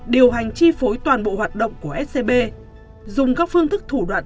điều hành chi phối toàn bộ hoạt động của scb dùng các phương thức thủ đoạn